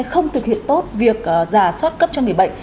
không thực hiện tốt việc giả soát cấp cho người bệnh